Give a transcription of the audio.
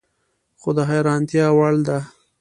خو د حیرانتیا وړ ده